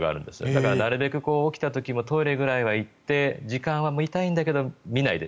だからなるべく起きた時もトイレぐらい行って時間は見たいんだけど見ないで。